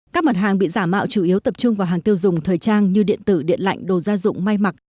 các mặt hàng bị giả mạo chủ yếu tập trung vào hàng tiêu dùng thời trang như điện tử điện lạnh đồ gia dụng may mặc